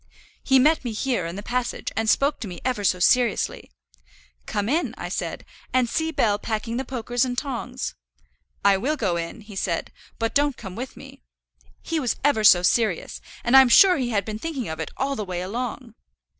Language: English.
"He met me here, in the passage, and spoke to me ever so seriously. 'Come in,' I said, 'and see Bell packing the pokers and tongs.' 'I will go in,' he said, 'but don't come with me.' He was ever so serious, and I'm sure he had been thinking of it all the way along."